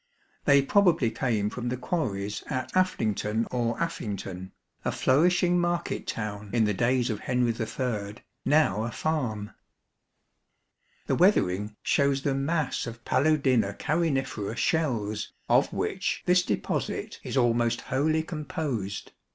They probably came from the quarries at Afflington or Affington, a flourishing market town in the days of Henry III, now a farm. Med/a e . The weathering shows the mass of Paludina carinifera shells of which this deposit is almost wholly composed.